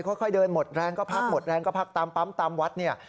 ค่อยเดินหมดแรงก็พักหมดแรงก็พักตามปั๊มตามวัดเนี่ย